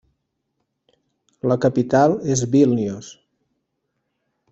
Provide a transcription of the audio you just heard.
La capital és Vílnius.